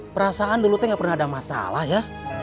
perasaan dulu tidak pernah ada masalah ya